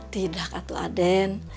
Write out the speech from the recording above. tidak atu aden